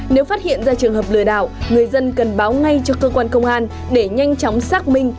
nếu phát hiện ra trường hợp lừa đảo người dân cần báo ngay cho cơ quan công an để nhanh chóng xác minh